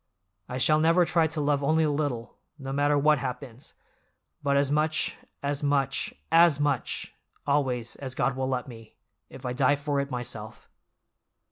"I shall never try to love only a little, no matter what happens, but as much, as much, as much, always, as God will let me, if I die for it myself!"